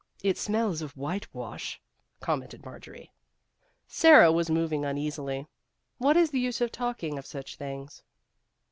" It smells of whitewash," commented Marjorie. Sara was moving uneasily. " What is the use of talking of such things